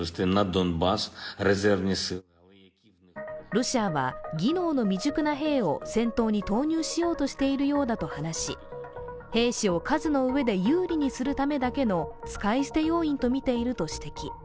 ロシアは技能の未熟な兵を戦闘に投入しようとしているようだと話し、兵士を数の上で有利にするためだけの使い捨て要員とみていると指摘。